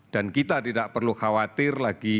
dan kita tidak perlu khawatir lagi